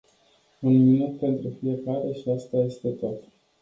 Un minut pentru fiecare și asta este tot.